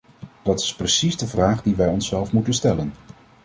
Dat is precies de vraag die wij onszelf moeten stellen.